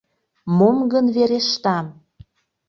Мом гын верештам?